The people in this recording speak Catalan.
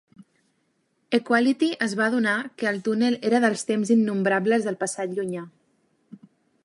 Equality es va adonar que el túnel era dels Temps Innombrables del passat llunyà.